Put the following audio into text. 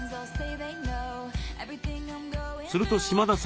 すると島田さん